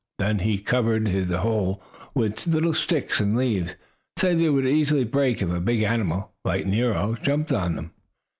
Then he covered the hole with little sticks and leaves, so they would easily break if a big animal, like Nero, jumped on them.